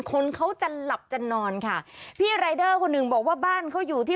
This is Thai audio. คนเขาจะหลับจะนอนค่ะพี่รายเดอร์คนหนึ่งบอกว่าบ้านเขาอยู่ที่